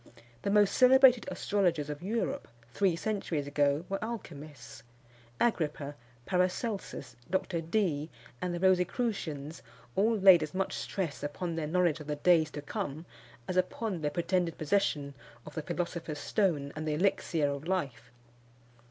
The most celebrated astrologers of Europe, three centuries ago, were alchymists. Agrippa, Paracelsus, Dr. Dee, and the Rosicrucians, all laid as much stress upon their knowledge of the days to come, as upon their pretended possession of the philosopher's stone and the elixir of life.